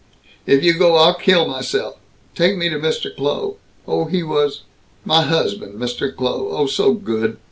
"If you go, I'll kill myself! Take me to Mr. Kloh! Oh, he was My husband, Mr. Kloh. Oh, so good.